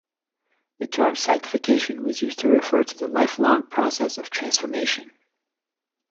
The term "sanctification" was used to refer to the lifelong process of transformation.